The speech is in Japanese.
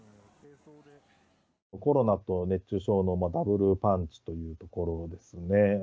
コロナと熱中症のダブルパンチというところですね。